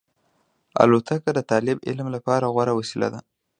الوتکه د طالب علم لپاره غوره وسیله ده.